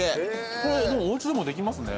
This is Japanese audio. これでもおうちでもできますね。